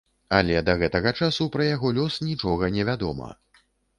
Але да гэтага часу пра яго лёс нічога не вядома.